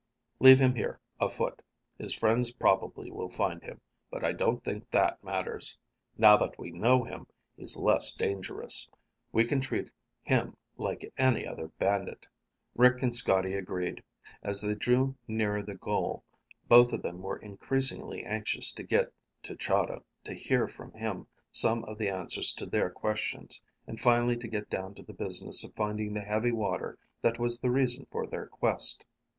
"Leave him here, afoot. His friends probably will find him, but I don't think that matters. Now that we know him, he's less dangerous. We can treat him like any other bandit." Rick and Scotty agreed. As they drew nearer the goal, both of them were increasingly anxious to get to Chahda, to hear from him some of the answers to their questions, and finally to get down to the business of finding the heavy water that was the reason for their quest.